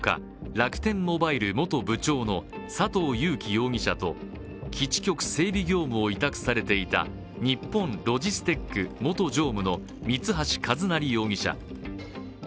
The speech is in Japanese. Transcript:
楽天モバイル元部長の佐藤友紀容疑者と基地局整備業務を委託されていた日本ロジステック元常務の三橋一成容疑者。